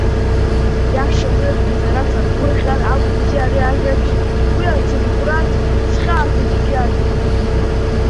Ииашаны, сара саргәырӷьар акәымзи ари ажәабжь, уи ацымхәрас схьаақәа зегьы артытит.